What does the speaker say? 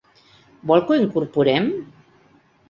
Vol que ho incorporem?